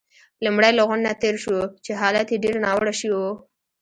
لومړی له غونډ نه تېر شوو، چې حالت يې ډېر ناوړه شوی وو.